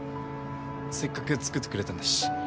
せっかく作ってくれたんだし。